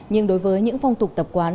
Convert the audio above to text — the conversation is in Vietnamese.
nhưng đối với những phong tục tập quán